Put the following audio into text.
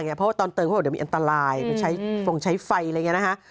เพราะว่าตอนเติมเขาบอกเดี๋ยวมีอันตรายไปใช้ฟงใช้ไฟอะไรอย่างนี้นะคะ